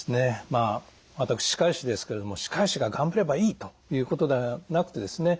まあ私歯科医師ですけれども歯科医師が頑張ればいいということではなくてですね